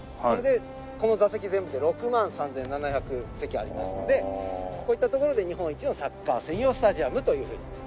それでこの座席全部で６万３７００席ありますのでこういったところで日本一のサッカー専用スタジアムというふうに。